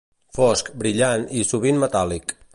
Fosc, brillant, i sovint metàl·lic.